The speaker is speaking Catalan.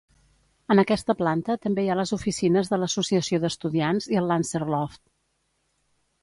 En aquesta planta també hi ha les oficines de l'associació d'estudiants i el Lancer Loft.